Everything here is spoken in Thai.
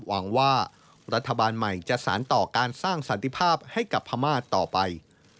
หวังว่ารัฐบาลใหม่จะสารต่อการสร้างสันติภาพให้กับพม่าต่อไป